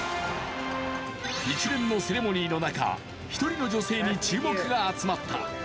一連のセレモニーの中、１人の女性に注目が集まった。